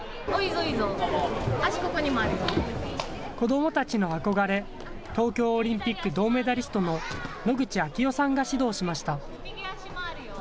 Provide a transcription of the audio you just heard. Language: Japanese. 子どもたちの憧れ、東京オリンピック銅メダリストの野口啓代さんが指導しました。